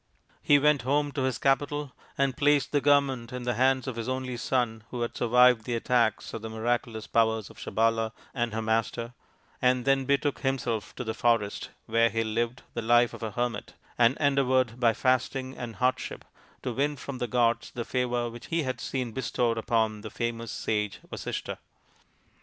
He went home to his capital and placed the government in the hands of the only son who had survived the exercise of the miraculous powers of Sabala and her master, and then betook himself to the forest, where he lived the life of a hermit, and endeavoured by fasting and hardship to win from the gods the favour which he had seen bestowed upon the famous sage Vasishtha.